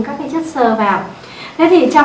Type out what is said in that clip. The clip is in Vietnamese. các chất sơ vào thế thì trong